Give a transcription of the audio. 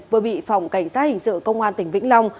vừa bị phòng cảnh sát hình sự công an tỉnh vĩnh long